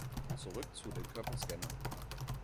Zurück zu den Körperscannern.